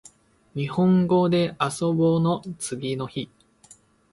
にほんごであそぼの次の日